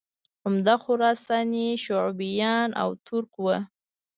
عمده خراساني شعوبیان او ترک وو